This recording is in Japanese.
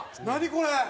これ。